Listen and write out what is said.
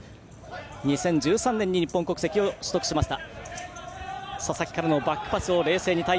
２０１３年に日本国籍を取得しました。